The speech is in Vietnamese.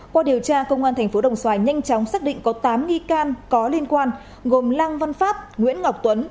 qua điều tra công an tp đồng xoài nhanh chóng xác định có tám nghi can có liên quan gồm lăng văn pháp nguyễn ngọc tuấn